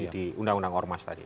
di undang undang ormas tadi